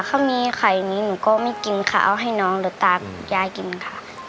ถ้ามีไข่นี้ก็ไม่กินค่ะเอาให้น้องหรือตามยากินค่ะ